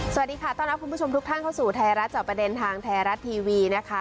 สวัสดีค่ะต้อนรับคุณผู้ชมทุกท่านเข้าสู่ไทยรัฐจอบประเด็นทางไทยรัฐทีวีนะคะ